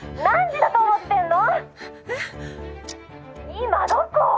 「今どこ！？」